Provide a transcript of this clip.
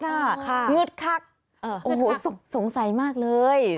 งึดคลักสงสัยมากเลย